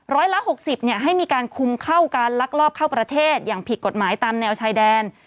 ละ๖๐ให้มีการคุมเข้าการลักลอบเข้าประเทศอย่างผิดกฎหมายตามแนวชายแดน